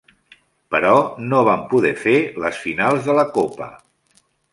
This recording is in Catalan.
Però no van poder fer les finals de la Copa.